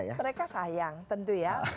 mereka sayang tentu ya